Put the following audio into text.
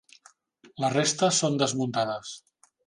La resta són desmuntades.